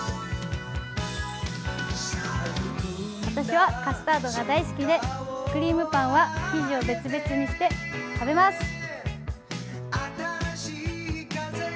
私はカスタードが大好きで、クリームパンは生地と別々にして食べます。